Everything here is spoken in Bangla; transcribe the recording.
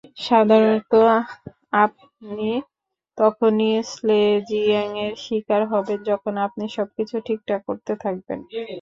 সাধারণত আপনি তখনই স্লেজিংয়ের শিকার হবেন, যখন আপনি সবকিছু ঠিকঠাক করতে থাকবেন।